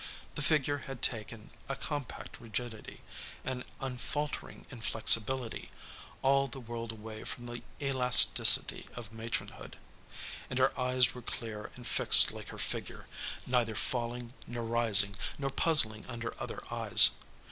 The figure had taken a compact rigidity, an unfaltering inflexibility, all the world away from the elasticity of matronhood; and her eyes were clear and fixed like her figure, neither falling, nor rising, nor puzzling under other eyes.